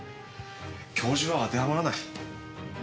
教授はあてはまらない。